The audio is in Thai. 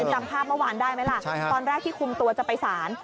จำภาพเมื่อวานได้ไหมล่ะตอนแรกที่คุมตัวจะไปสาร